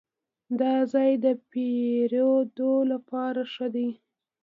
دا ځای د پیرود لپاره ښه دی.